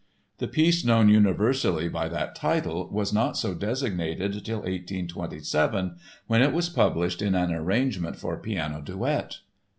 The piece known universally by that title was not so designated till 1827, when it was published in an arrangement for piano duet.